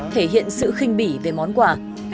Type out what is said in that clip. thể hiện sự khinh bỉ về món quà